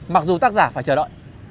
mặc dù tác giả phải chờ đợi